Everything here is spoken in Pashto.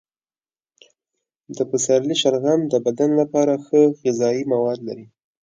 د پسرلي شلغم د بدن لپاره ښه غذايي مواد لري.